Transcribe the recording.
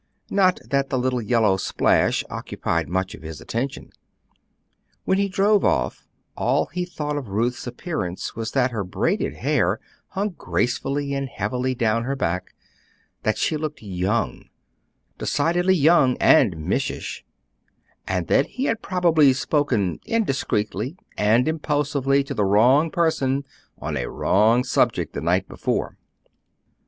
Not that the little yellow splash occupied much of his attention. When he drove off, all he thought of Ruth's appearance was that her braided hair hung gracefully and heavily down her back; that she looked young, decidedly young and missish; and that he had probably spoken indiscreetly and impulsively to the wrong person on a wrong subject the night before.